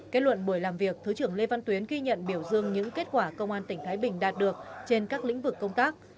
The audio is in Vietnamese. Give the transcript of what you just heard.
kết luận buổi làm việc thứ trưởng lê văn tuyến ghi nhận biểu dương những kết quả công an tỉnh thái bình đạt được trên các lĩnh vực công tác